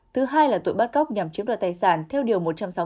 thứ hai là tội bắt cóc nhằm chiếm đoạt tài sản theo điều một trăm sáu mươi tám